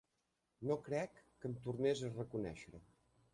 No crec que em tornés a reconèixer.